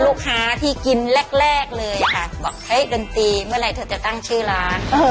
ลูกค้าที่กินแรกแรกเลยค่ะบอกเฮ้ยดนตรีเมื่อไหร่เธอจะตั้งชื่อร้าน